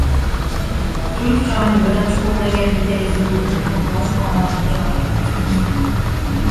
Turk choyini birinchi xoʻplaganingda esa bu umuman boshqa olam choyiligini sezasan.